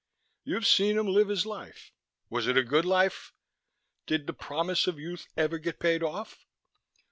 You've seen him live his life. Was it a good life? Did the promise of youth ever get paid off?"